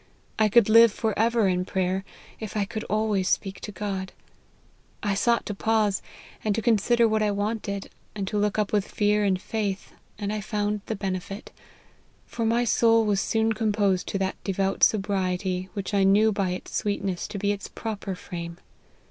I could live for ever in prayer, if I could always speak to God. I sought to pause, and to consider what I wanted, and to look up with fear and faith, and I found the benefit ; for my soul was soon com posed to that devout sobriety which I knew by its sweetness to be its proper frame.